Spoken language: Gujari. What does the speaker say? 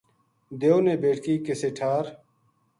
دیو نے بیٹکی کسے ٹھار